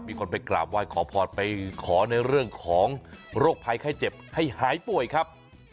มีคนไปกราบไหว้ขอพรไปขอในเรื่องของโรคภัยไข้เจ็บให้หายป่วยครับ